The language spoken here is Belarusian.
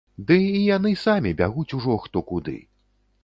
Ды і яны самі бягуць ужо хто куды.